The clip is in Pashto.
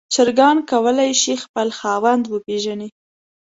چرګان کولی شي خپل خاوند وپیژني.